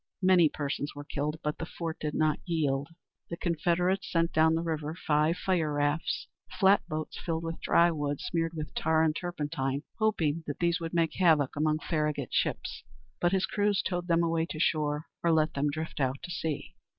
Many persons were killed, but the fort did not yield. The Confederates sent down the river five fire rafts, flat boats filled with dry wood, smeared with tar and turpentine, hoping that these would make havoc among Farragut's ships; but his crews towed them away to shore, or let them drift out to sea.